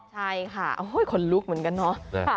ใช่ค่ะโอ้โฮขนลุกเหมือนกันเนอะ